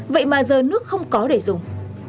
vậy mà giờ nước không có để dùng